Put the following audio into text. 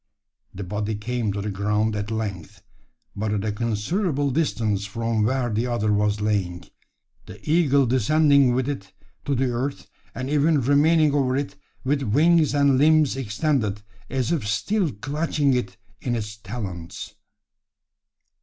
The body came to the ground at length but at a considerable distance from where the other was lying the eagle descending with it to the earth, and even remaining over it with wings and limbs extended, as if still clutching it in his talons!